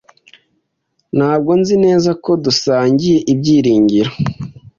Ntabwo nzi neza ko dusangiye ibyiringiro.